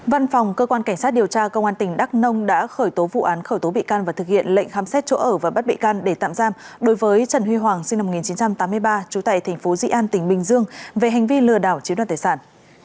văn phòng cơ quan cảnh sát điều tra công an tỉnh đắk nông đã khởi tố vụ án khởi tố bị can và thực hiện lệnh khám xét chỗ ở và bắt bị can để tạm giam đối với trần huy hoàng sinh năm một nghìn chín trăm tám mươi ba trú tại thành phố dị an tỉnh bình dương về hành vi lừa đảo chiếm đoàn tài sản